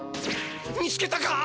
見つけたか！？